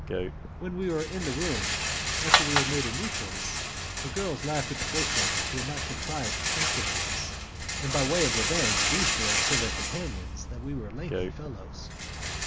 When we were in the room, and after we had made a new choice, the girls laughed at the first ones who had not contrived to captivate us, and by way of revenge these girls told their companions that we were lanky fellows.